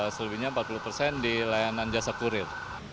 selebihnya empat puluh persen di layanan jasa kurir